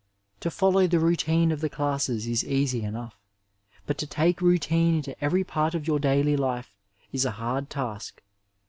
To follow the routine of the classes is easy enough, but to take routine into every part of your daily hie is a hard task.